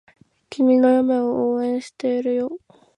君の夢を応援しているよ